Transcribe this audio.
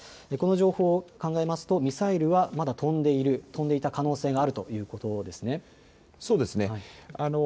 この状況を考えますとミサイルはまだ飛んでいた可能性があるということですね。